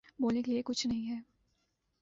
بولنے کے لیے کچھ نہیں ہے